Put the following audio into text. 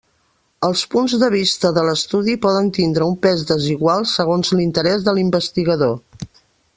Els punts de vista de l'estudi poden tindre un pes desigual segons l'interés de l'investigador.